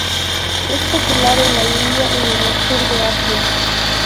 Es popular en la India y en el sur de Asia.